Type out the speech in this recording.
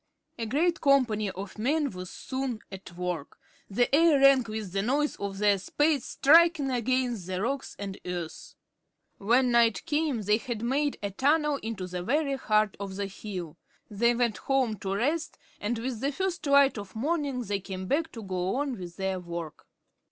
A great company of men was soon at work. The air rang with the noise of their spades striking against the rocks and earth. When night came they had made a tunnel into the very heart of the hill. They went home to rest, and with the first light of morning they came back to go on with their work.